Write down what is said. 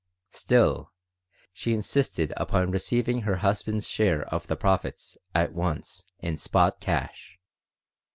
Still, she insisted upon receiving her husband's share of the profits at once in spot cash.